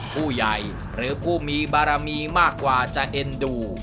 ผู้ใหญ่หรือผู้มีบารมีมากกว่าจะเอ็นดู